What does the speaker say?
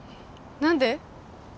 何で？